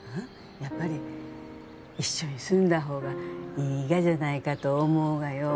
やっぱり一緒に住んだ方がいいがじゃないかと思うがよ